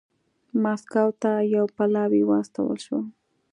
مسکو ته یو پلاوی واستول شو.